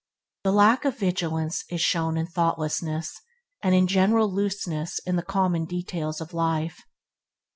The lack of vigilance is shown in thoughtlessness and in a general looseness in the common details of life.